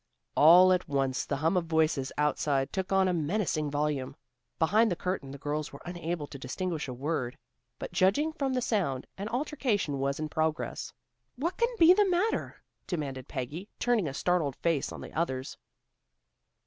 All at once the hum of voices outside took on a menacing volume. Behind the curtain the girls were unable to distinguish a word, but judging from the sound, an altercation was in progress. "What can be the matter?" demanded Peggy, turning a startled face on the others.